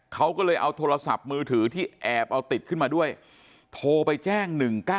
เขาก็เลยเอาโทรศัพท์มือถือที่แอบเอาติดขึ้นมาด้วยโทรไปแจ้ง๑๙๑